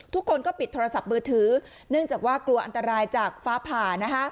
ทุกคนก็ปิดโทรศัพท์มือถือเนื่องจากว่ากลัวอันตรายจากฟ้าผ่า